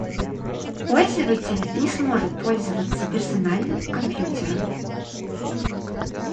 Пользователь не сможет пользоваться персональным компьютером